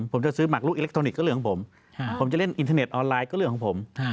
ผมจะซื้อหมักลูกอิเล็กทรอนิกส์เรื่องของผมผมจะเล่นอินเทอร์เน็ตออนไลน์ก็เรื่องของผม